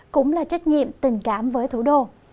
cũng là trách nhiệm tình cảm với thủ đô